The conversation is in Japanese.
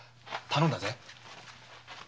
頼んだぜ。